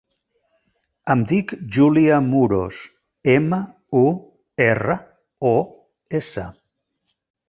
Em dic Júlia Muros: ema, u, erra, o, essa.